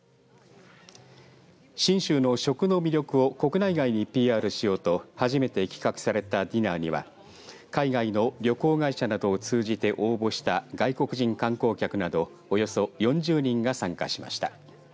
信州の食の魅力を国内外にＰＲしようと初めて企画されたディナーには海外の旅行会社などを通じて応募した外国人観光客などおよそ４０人が参加しました。